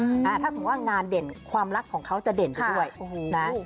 อืออ่าถ้าสมมุติว่างานเด่นความรักของเขาจะเด่นด้วยฮะโอ้พูดพูด